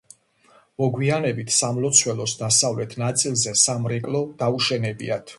მოგვიანებით სამლოცველოს დასავლეთ ნაწილზე სამრეკლო დაუშენებიათ.